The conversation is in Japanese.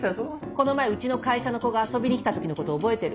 この前うちの会社の子が遊びに来た時のこと覚えてる？